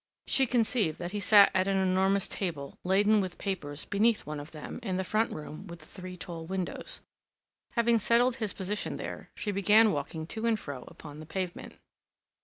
She conceived that he sat at an enormous table laden with papers beneath one of them in the front room with the three tall windows. Having settled his position there, she began walking to and fro upon the pavement.